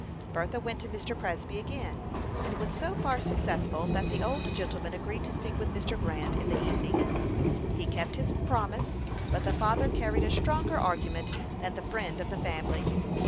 Bertha went to Mr. Presby again, and was so far successful that the old gentleman agreed to speak with Mr. Grant in the evening. He kept his promise, but the father carried a stronger argument than the friend of the family.